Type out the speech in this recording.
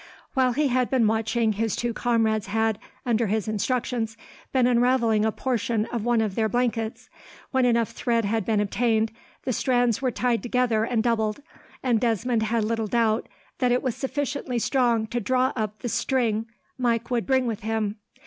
While he had been watching, his two comrades had, under his instructions, been unravelling a portion of one of their blankets. When enough thread had been obtained, the strands were tied together and doubled, and Desmond had little doubt that it was sufficiently strong to draw up the string Mike would bring with him.